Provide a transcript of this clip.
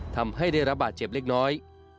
ทำให้ได้รับบาดเจ็บเล็กน้อย